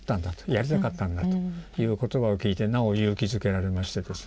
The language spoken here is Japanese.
「やりたかったんだ」という言葉を聞いてなお勇気づけられましてですね。